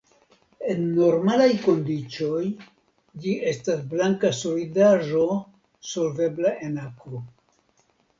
En normalaj kondiĉoj ĝi estas blanka solidaĵo solvebla en akvo.